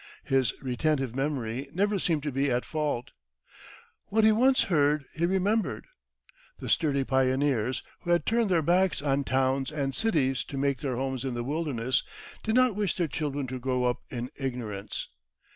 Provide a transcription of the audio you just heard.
His retentive memory never seemed to be at fault. What he once heard he remembered. The sturdy pioneers, who had turned their backs on towns and cities to make their homes in the wilderness, did not wish their children to grow up in ignorance.